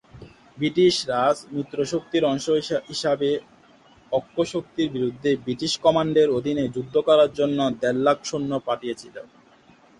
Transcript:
British Raj মিত্রশক্তির অংশ হিসাবে অক্ষশক্তির বিরুদ্ধে ব্রিটিশ কমান্ডের অধীনে যুদ্ধ করার জন্য দেড় লাখ সৈন্য পাঠিয়েছিল।